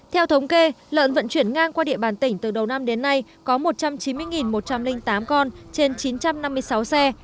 theo thống kê lợn vận chuyển ngang qua địa bàn tỉnh từ đầu năm đến nay có một trăm chín mươi một trăm linh tám con trên chín trăm năm mươi sáu xe